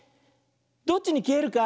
どっちにきえるか？